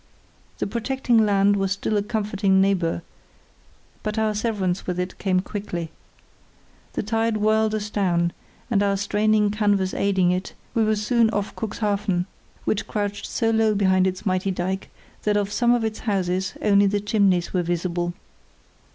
The protecting land was still a comforting neighbour; but our severance with it came quickly. The tide whirled us down, and our straining canvas aiding it, we were soon off Cuxhaven, which crouched so low behind its mighty dyke, that of some of its houses only the chimneys were visible.